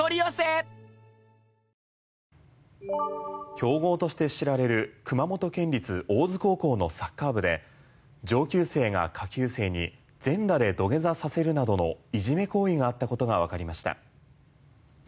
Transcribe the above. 強豪として知られる熊本県立大津高校のサッカー部で上級生が下級生に全裸で土下座させるなどのいじめ行為があったことがわかりました。